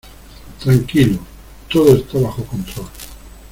Tranquilo. Todo está bajo control .